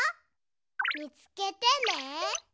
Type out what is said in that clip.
みつけてね。